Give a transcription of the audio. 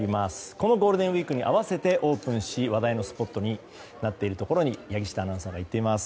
このゴールデンウィークに合わせてオープンし話題のスポットになっているところに柳下アナウンサーが行っています。